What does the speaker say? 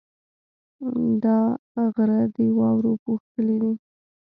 دا غره د واورو پوښلی دی.